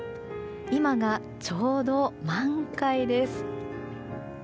今がちょうど満開です。